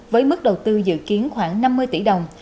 với mức đầu tư dự kiến khoảng năm mươi tỷ đồng